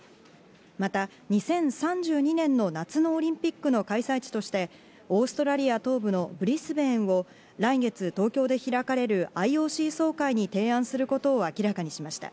また２０３２年の夏のオリンピックの開催地として、オーストラリア東部のブリスベーンを来月東京で開かれるＩＯＣ総会に提案することを明らかにしました。